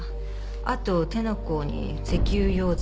あと手の甲に石油溶剤